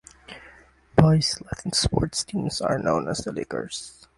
Boys' Latin's sports teams are known as the Lakers.